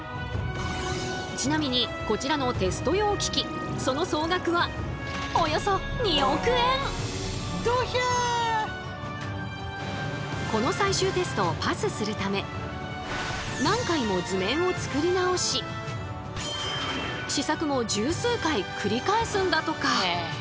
ちなみにこちらのテスト用機器その総額はこの最終テストをパスするため何回も図面を作り直し試作も十数回繰り返すんだとか。